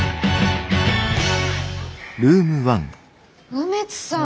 梅津さん